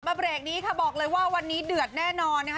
เบรกนี้ค่ะบอกเลยว่าวันนี้เดือดแน่นอนนะคะ